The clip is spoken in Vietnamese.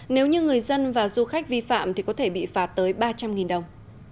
nếu như người dân và du khách vi phạm thì có thể bị phạt tới ba trăm linh đồng